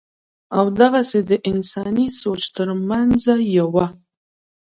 او دغسې دَانساني سوچ تر مېنځه يوه